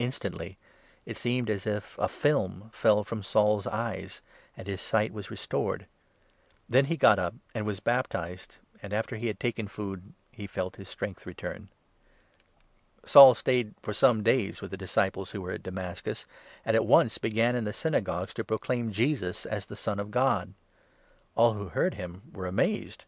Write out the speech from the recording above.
Instantly it seemed as if a film fell from Saul's eyes, and his 18 sight was restored. Then he got up and was baptized, and, 19 after he had taken food, he felt his strength return. Saul stayed for some days with the disciples who were at Damascus, and at once began in the Synagogues to pro 20 claim Jesus as the Son of God. All who heard him were 21 amazed.